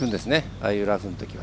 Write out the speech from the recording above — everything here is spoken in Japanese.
ああいうラフのときは。